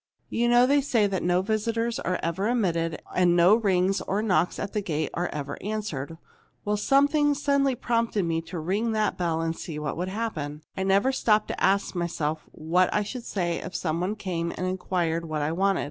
"You know, they say that no visitors are ever admitted, and no rings or knocks at the gate are ever answered. Well, something suddenly prompted me to ring that bell and see what would happen. I never stopped to ask myself what I should say if some one came and inquired what I wanted.